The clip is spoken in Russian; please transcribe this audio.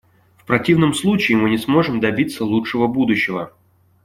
В противном случае, мы не сможем добиться лучшего будущего.